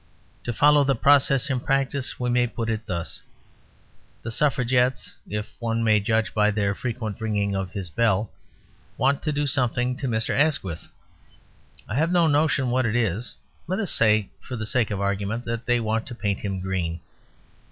To follow the process in practice we may put it thus. The Suffragettes if one may judge by their frequent ringing of his bell want to do something to Mr. Asquith. I have no notion what it is. Let us say (for the sake of argument) that they want to paint him green.